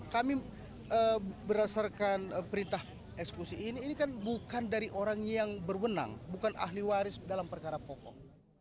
kami berdasarkan perintah eksekusi ini ini kan bukan dari orang yang berwenang bukan ahli waris dalam perkara pokok